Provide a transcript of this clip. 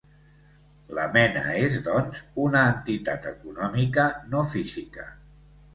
La mena és, doncs, una entitat econòmica, no física.